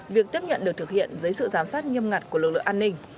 việc tiếp nhận được thực hiện dưới sự giám sát nghiêm ngặt của lực lượng an ninh